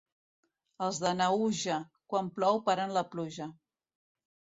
Els de Naüja, quan plou paren la pluja.